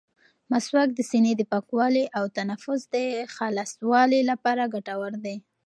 مسواک د سینې د پاکوالي او تنفس د خلاصوالي لپاره ګټور دی.